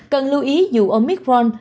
cần lưu ý dù omicron